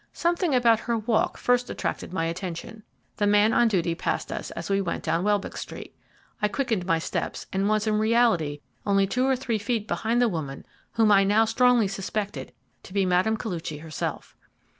Something about her walk first attracted my attention. The man on duty passed us as we went down Welbeck Street. I quickened my steps, and was in reality only two or three feet behind the woman whom I now strongly suspected to be Mme. Koluchy herself.